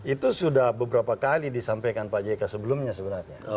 itu sudah beberapa kali disampaikan pak jk sebelumnya sebenarnya